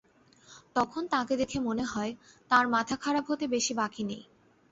তখন তাঁকে দেখে মনে হয়, তাঁর মাথা-খারাপ হতে বেশি বাকি নেই!